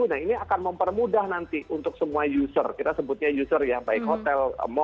nah ini akan mempermudah nanti untuk semua user kita sebutnya user ya baik hotel mall